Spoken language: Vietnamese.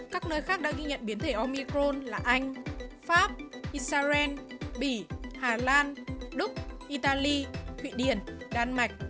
các nơi khác đã ghi nhận biến thể omicrone là anh pháp israel bỉ hà lan đức italy thụy điển đan mạch